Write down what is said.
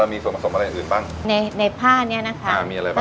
มีส่วนผสมอะไรอย่างอื่นบ้างในในผ้าเนี้ยนะคะอ่ามีอะไรบ้าง